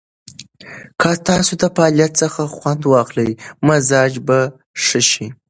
که تاسو د فعالیت څخه خوند واخلئ، مزاج به ښه شي.